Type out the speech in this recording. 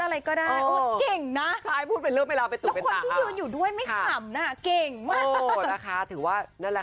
แล้วคนที่ยุณอยู่ด้วยไม่ขัมนะ